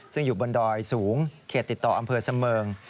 ซึ่งอยู่บนดอยสูงเขตติดต่ออำเภอเสมิง